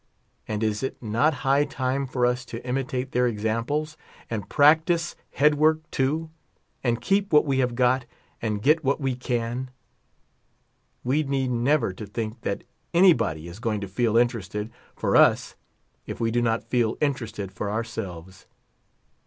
A^d is it not high time for us to imitate their examples, and practice head work too, and keep what we have got, and get what we can? We need never to think that any body is going to feel interested for us, if we do not feel interested for ourselves.